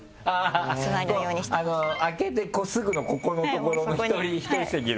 開けてすぐのここの所の１人席だ。